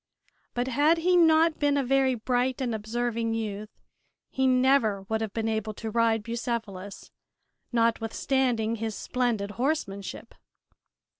But had he not been a very bright and observing youth he never would have been able to ride Bucephalus, notwithstanding his splendid horsemanship.